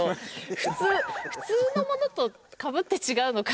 普通のものとかぶって違うのか。